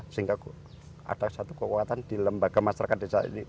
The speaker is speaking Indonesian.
sehingga ada satu kekuatan di lembaga masyarakat desa ini